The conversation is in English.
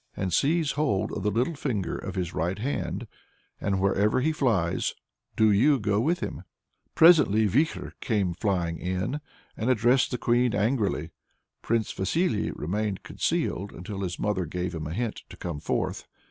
and seize hold of the little finger of his right hand, and wherever he flies do you go with him." Presently Vikhor came flying in, and addressed the Queen angrily. Prince Vasily remained concealed until his mother gave him a hint to come forth.